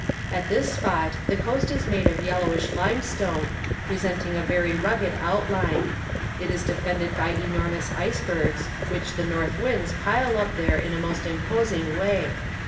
At this spot the coast is made of yellowish limestone, presenting a very rugged outline; it is defended by enormous icebergs which the north winds pile up there in a most imposing way.